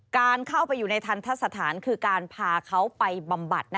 การเข้าไปอยู่ในทันทะสถานคือการพาเขาไปบำบัด